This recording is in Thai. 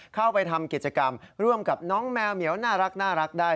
เข้าไปทำกิจกรรมร่วมกับน้องแมวเหมียวน่ารักได้